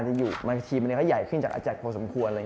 ทีมเรียกว่าใหญ่ขึ้นอาจารย์พอสมควร